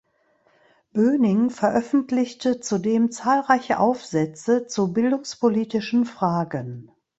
Böning veröffentlichte zudem zahlreiche Aufsätze zu bildungspolitischen Fragen.